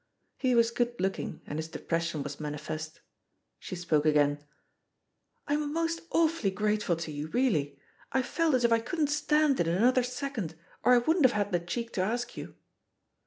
He was good looking, and his depression was manifest. She spoke again: "I'm most awfully grateful to you, really 1 I felt as if I couldn't stand it another second, or I wouldn't have had the cheek to ask you."